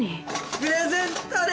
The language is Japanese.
プレゼントで。